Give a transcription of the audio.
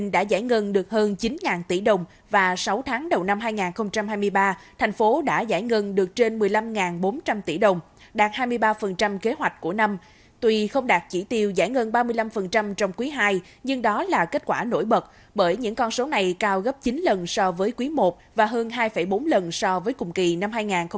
sáng đầu năm hai nghìn hai mươi ba thành phố đã giải ngân được trên một mươi năm bốn trăm linh tỷ đồng đạt hai mươi ba kế hoạch của năm tuy không đạt chỉ tiêu giải ngân ba mươi năm trong quý ii nhưng đó là kết quả nổi bật bởi những con số này cao gấp chín lần so với quý i và hơn hai bốn lần so với cùng kỳ năm hai nghìn hai mươi hai